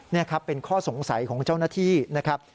นี่ครับเป็นข้อสงสัยของเจ้าหน้าที่นะครับ